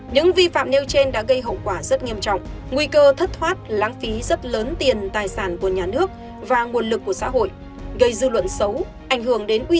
những vi phạm nêu trên đã gây hậu quả rất nghiêm trọng nguy cơ thất thoát lãng phí rất lớn tiền tài sản của nhà nước và nguồn lực của xã hội